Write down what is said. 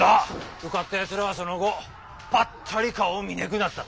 受かったやつらはその後パッタリ顔見ねぐなっただ。